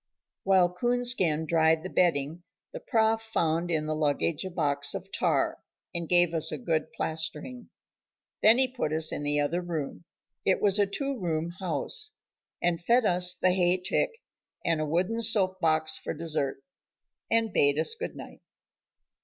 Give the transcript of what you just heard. While Coonskin dried the bedding, the Prof found in the luggage a box of tar, and gave us a good plastering. Then he put us in the other room, it was a two room house, and fed us the hay tick, and a wooden soap box for dessert, and bade us good night.